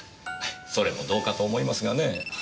それもどうかと思いますがね。